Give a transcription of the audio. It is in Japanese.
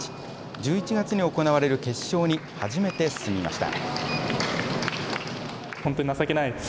１１月に行われる決勝に初めて進みました。